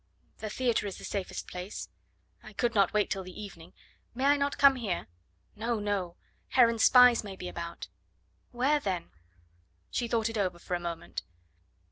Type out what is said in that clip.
"The theatre is the safest place." "I could not wait till the evening. May I not come here?" "No, no. Heron's spies may be about." "Where then?" She thought it over for a moment.